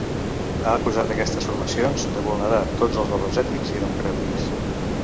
Ha acusat aquestes formacions de vulnerar tots els valors ètics i democràtics.